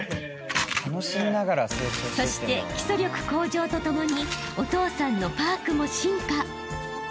［そして基礎力向上とともにお父さんのパークも進化］